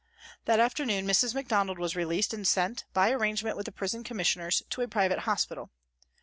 That afternoon Mrs. Macdonald was released and sent, by arrangement with the Prison Commis sioners, to a private hospital.